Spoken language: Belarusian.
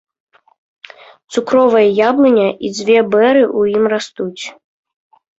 Цукровая яблыня і дзве бэры ў ім растуць.